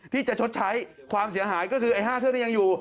ที่จะชดใช้ความเสียหายก็คือไอ้๕เครื่องที่ยังอยู่